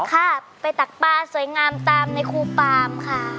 ค่ะไปตักปลาสวยงามตามในครูปามค่ะ